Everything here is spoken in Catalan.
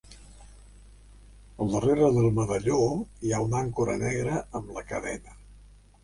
Al darrere del medalló hi ha una àncora negra amb la cadena.